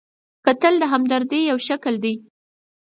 کتل د همدردۍ یو شکل دی